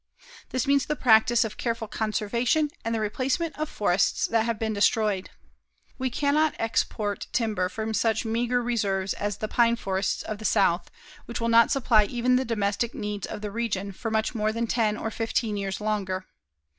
This means the practice of careful conservation and the replacement of forests that have been destroyed. We can not export timber from such meagre reserves as the pine forests of the South, which will not supply even the domestic needs of the region for much more than ten or fifteen years longer.